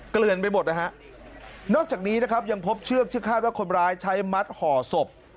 เกลือนไปหมดนะฮะนอกจากนี้นะครับยังพบเชือกที่คาดว่าคนร้ายใช้มัดห่อศพ